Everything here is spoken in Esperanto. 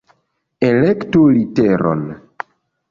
Elektu literon!